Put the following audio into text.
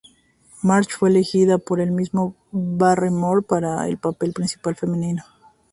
Marsh fue elegida por el mismo Barrymore para el papel principal femenino.